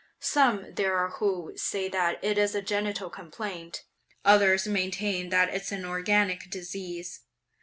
Some there are who say that it's a genital complaint; others maintain that it's an organic disease.